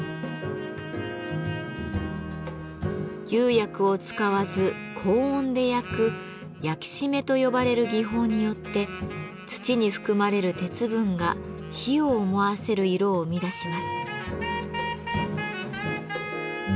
釉薬を使わず高温で焼く「焼締め」と呼ばれる技法によって土に含まれる鉄分が火を思わせる色を生み出します。